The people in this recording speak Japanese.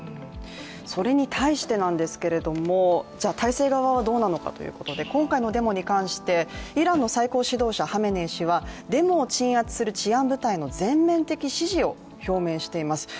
それに対してなんですけれども体制側はどうなのかということで今回のデモに関してイランの最高指導者ハメネイ師は、デモを鎮圧する治安部隊の全面的支持を表明しています。